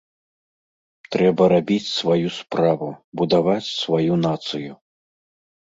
Трэба рабіць сваю справу, будаваць сваю нацыю.